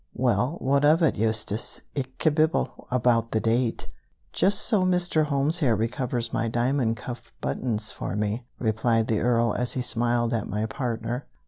"Well, what of it, Eustace? Ich kebibble about the date, just so Mr. Holmes here recovers my diamond cuff buttons for me," replied the Earl, as he smiled at my partner.